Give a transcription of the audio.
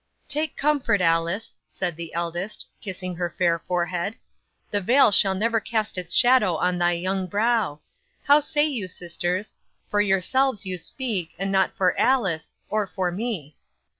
'"Take comfort, Alice," said the eldest, kissing her fair forehead. "The veil shall never cast its shadow on thy young brow. How say you, sisters? For yourselves you speak, and not for Alice, or for me."